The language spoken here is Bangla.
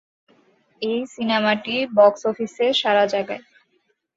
এই সিনেমাটি বক্স অফিসে সাড়া জাগায়।